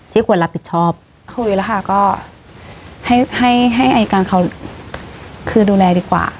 ควรรับผิดชอบคุยแล้วค่ะก็ให้ให้อายการเขาคือดูแลดีกว่า